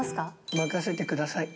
任せてください。